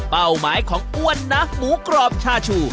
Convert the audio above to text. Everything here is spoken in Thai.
หมายของอ้วนนะหมูกรอบชาชู